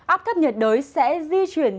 áp thấp nhiệt đới sẽ di chuyển